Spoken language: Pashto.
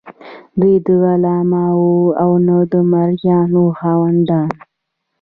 دوی نه غلامان وو او نه د مرئیانو خاوندان.